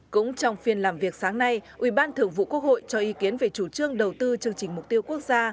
cũng trong phiên làm việc sáng nay ủy ban thường vụ quốc hội cho ý kiến về chủ trương đầu tư chương trình mục tiêu quốc gia